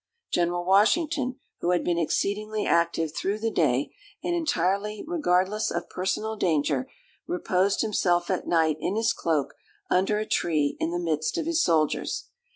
General Washington, who had been exceedingly active through the day, and entirely regardless of personal danger, reposed himself at night in his cloak, under a tree, in the midst of his soldiers.